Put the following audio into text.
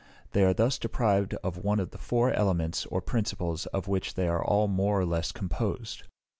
They are thus deprived of one of the four elements or principles of which they are all more or less composed.